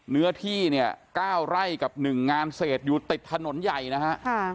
เนื้อที่เนี่ย๙ไร่กับ๑งานเศษอยู่ติดถนนใหญ่นะฮะ